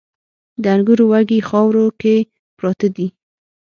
د انګورو وږي خاورو کې پراته دي